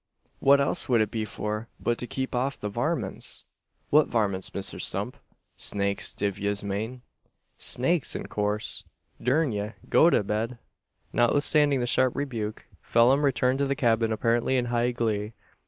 What else wud it be for, but to keep off the varmints!" "What varmints, Misther Stump? Snakes, div yez mane?" "Snakes in coorse. Durn ye, go to your bed!" Notwithstanding the sharp rebuke, Phelim returned to the cabin apparently in high glee.